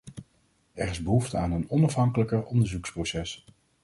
Er is behoefte aan een onafhankelijker onderzoeksproces.